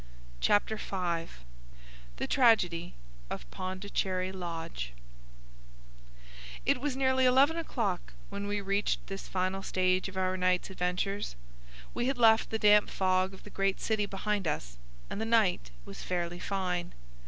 Chapter V The Tragedy of Pondicherry Lodge It was nearly eleven o'clock when we reached this final stage of our night's adventures. We had left the damp fog of the great city behind us, and the night was fairly fine.